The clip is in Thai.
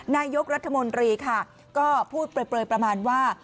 นายกรัฐมนตรีค่ะก็พูดเปลยประมาณว่า